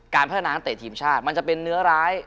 พัฒนานักเตะทีมชาติมันจะเป็นเนื้อร้าย